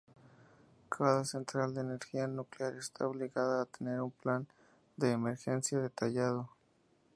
Cada central de energía nuclear está obligada a tener un plan de emergencia detallado.